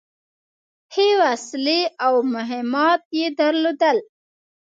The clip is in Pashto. ښې وسلې او مهمات يې درلودل.